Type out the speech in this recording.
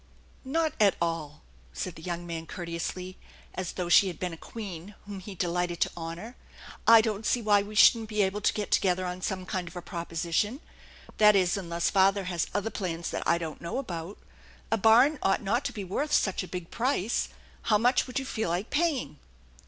" Not at all !" said the young man courteously, as though she had been a queen whom he delighted tc nonor. " I don't see why we shouldn't be able to get together on some kind of a proposition that is, unless father has other plans that I don't know about. A barn ought not to be worth such a big price. How much would you feel like paying